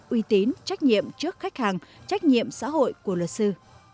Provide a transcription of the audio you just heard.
uy tín trách nhiệm trước khách hàng trách nhiệm xã hội của luật sư